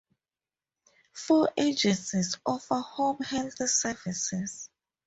Four agencies offer Home Health Services.